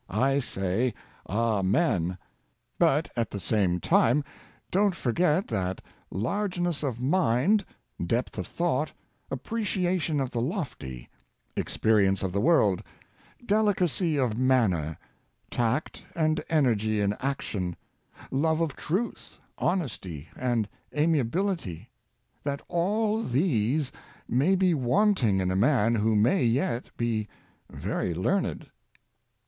I say. Amen ! But at the same time, don't forget that largeness of mind, depth of thought, appreciation of the lofty, experience of the world, deli cacy of manner, tact and energy in action, love of truth, honesty, and amiability — that all these may be wanting in a man who may yet be very learned."